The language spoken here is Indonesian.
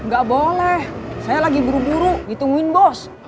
gak boleh saya lagi buru buru ditungguin bos